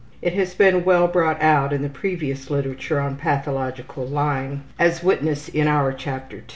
It has been well brought out in the previous literature on pathological lying, as witness in our Chapter II.